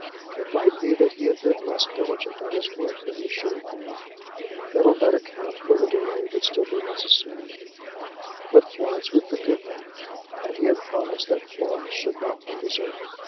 It might be that he had been less diligent at his work than he should have been, that on that account further delay would still be necessary; but Florence would forgive that, and he had promised that Florence should not be deserted.